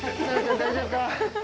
大丈夫か？